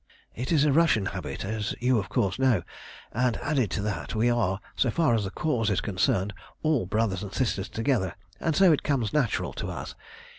"It is a Russian habit, as you, of course, know, and added to that, we are, so far as the Cause is concerned, all brothers and sisters together, and so it comes natural to us.